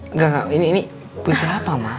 enggak enggak ini puisi apa ma